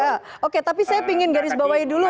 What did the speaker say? oke tapi saya ingin garis bawahi dulu